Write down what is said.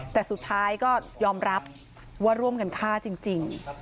แต่สุดท้ายก็ยอมรับว่าร่วมกันฆ่าจริง